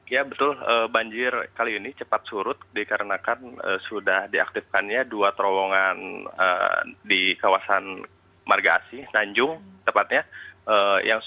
ya betul banjir kali ini cepat surut dikarenakan sudah diaktifkannya dua terowongan di kawasan marga asih nanjung tepatnya